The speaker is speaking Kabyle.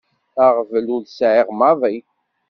Aɣbel ur t-sɛiɣ maḍi.